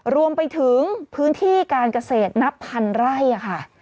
รวมไปถึงพื้นที่การเกษตรนับพันไร่ค่ะ